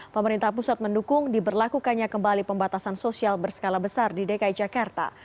pemerintah pusat mendukung diberlakukannya kembali pembatasan sosial berskala besar di dki jakarta